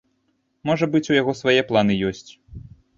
Можа быць, у яго свае планы ёсць.